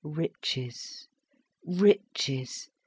Riches! Riches!